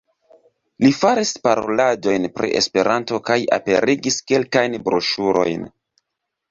Li faris paroladojn pri Esperanto kaj aperigis kelkajn broŝurojn.